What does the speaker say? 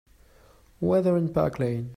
Weather in Park Layne